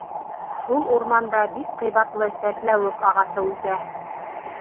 Шул урманда бик ҡыйбатлы сәтләүек ағасы үҫә.